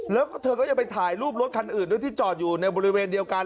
แล้วเธอก็ยังไปถ่ายรูปรถคันอื่นด้วยที่จอดอยู่ในบริเวณเดียวกัน